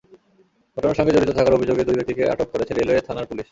ঘটনার সঙ্গে জড়িত থাকার অভিযোগে দুই ব্যক্তিকে আটক করেছে রেলওয়ে থানার পুলিশ।